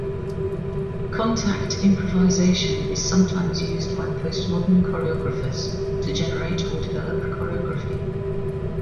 Contact improvisation is sometimes used by post-modern choreographers to generate or develop choreography.